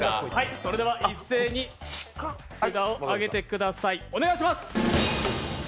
それでは、一斉に札を上げてください。